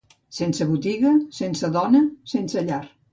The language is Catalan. Sense botiga, sense dona, sense llar